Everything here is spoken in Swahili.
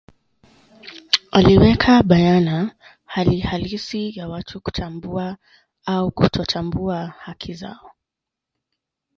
aliweka bayana hali halisi ya watu kutambua au kutotambua haki zao